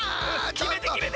きめてきめて！